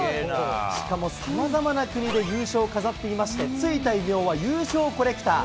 しかも、さまざまな国で優勝を飾っていまして、付いた異名は優勝コレクター。